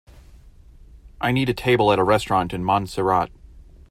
I need a table at a restaurant in Montserrat